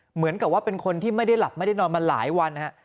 เหมือนกับว่าเป็นคนที่ไม่ได้หลับไม่ได้นอนมาหลายวันฮะ